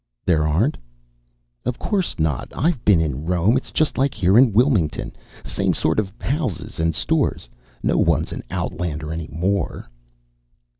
"There aren't?" "Of course not. I've been in Rome. It's just like here in Wilmington. Same sort of houses and stores. No one's an outlander any more."